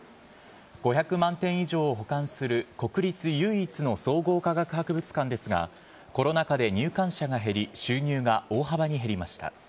５００万点以上を保管する国立唯一の総合科学博物館ですが、コロナ禍で入館者が減り、収入が大幅に減りました。